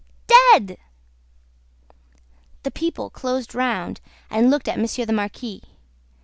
"Dead!" The people closed round, and looked at Monsieur the Marquis.